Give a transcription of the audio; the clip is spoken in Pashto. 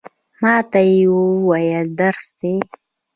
ما ته یې وویل، درس دی.